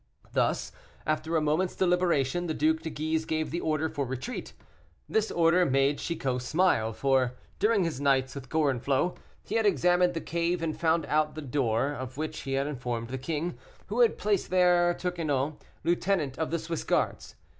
Thus, after a moment's deliberation, the Duc de Guise gave the order for retreat. This order made Chicot smile, for, during his nights with Gorenflot, he had examined the cave and found out the door, of which he had informed the king, who had placed there Torquenot, lieutenant of the Swiss guards.